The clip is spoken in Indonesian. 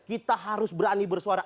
kita harus berani bersuara